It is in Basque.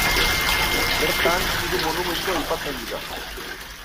Bertan hiru monumentu aipatzen dira.